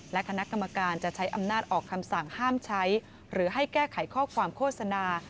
และคณะกรรมการจะใช้อำนาจออกคำสั่งห้ามใช้หรือให้แก้ไขข้อความโฆษณา